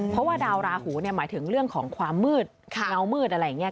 เพราะว่าดาวราหูเนี่ยหมายถึงเรื่องของความมืดเงามืดอะไรอย่างนี้